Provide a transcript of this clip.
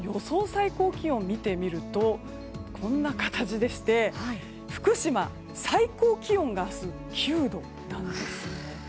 最高気温を見てみるとこんな形でして福島、最高気温が９度なんです。